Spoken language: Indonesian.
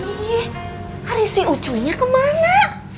ih ada si ucunya kemana